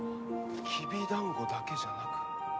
きびだんごだけじゃなく。